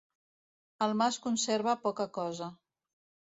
El mas conserva poca cosa.